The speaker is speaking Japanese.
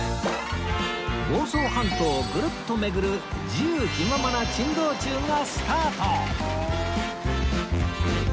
房総半島をぐるっと巡る自由気ままな珍道中がスタート